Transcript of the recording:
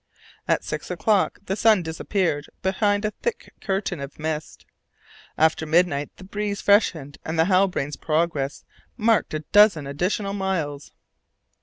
At six o'clock the sun disappeared behind a thick curtain of mist. After midnight the breeze freshened, and the Halbrane's progress marked a dozen additional miles.